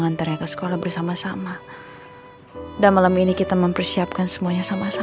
aduh kamu tuh sama sekali kayak mama